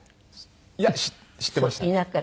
いや知ってました。